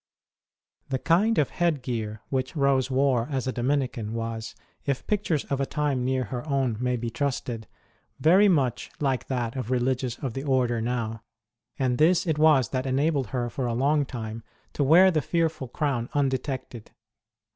The kind of head gear which Rose wore as a Dominican was, if pictures of a time near her own may be trusted, very much like that of Religious of the Order now ; and this it was that enabled her for a long time to wear the fearful crown undetected.